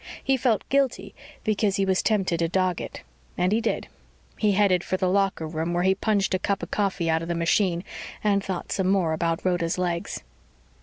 He felt guilty because he was tempted to dog it. And he did. He headed for the locker room where he punched a cup of coffee out of the machine and thought some more about Rhoda's legs.